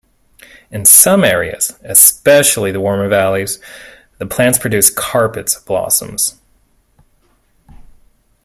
In some areas, especially in warmer valleys, the plants produce carpets of blossoms.